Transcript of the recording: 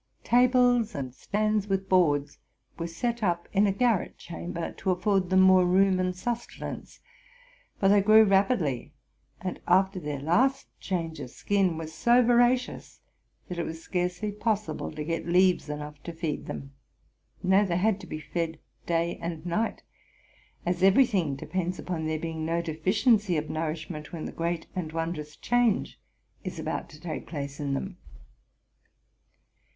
Tables and stands with boards were set up in a garret chamber, to afford them more room 100 TRUTH AND FICTION and sustenance; for they grew rapidly, and, after their last change of skin, were so voracious that it was scarcely possi ble to get leaves enough to feed them, — nay, they had to be fed day and night, as every thing depends upon there being no deficiency of nourishment when the great and wondrous change is about to take place in them.